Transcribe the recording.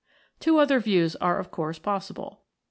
Two other views are of course possible.